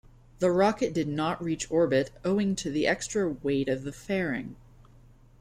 The rocket did not reach orbit, owing to the extra weight of the fairing.